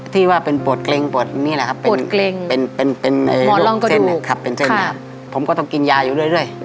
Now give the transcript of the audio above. ที่ว่าเป็นปวดเกร็งปวดนี้แหละครับเป็นโรคเส้นผมก็ต้องกินยาอยู่เรื่อย